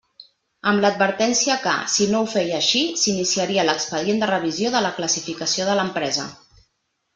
Amb l'advertència que, si no ho feia així, s'iniciaria l'expedient de revisió de la classificació de l'empresa.